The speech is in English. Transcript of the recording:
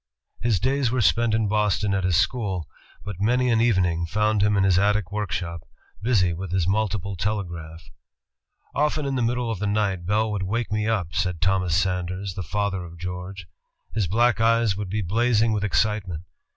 His days were spent in Boston at his school, but many an evening found him in his attic workshop, busy with his multiple telegraph. "Often in the middle of the night Bell would wake me up," said Thomas Sanders, the father of George. "His black eyes would be blazing with excitement.